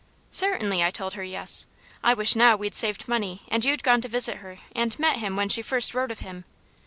"Certainly I told her yes. I wish now we'd saved money and you'd gone to visit her and met him when she first wrote of him.